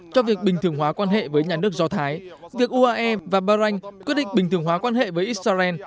cho việc bình thường hóa quan hệ với nhà nước do thái việc uae và bahrain quyết định bình thường hóa quan hệ với israel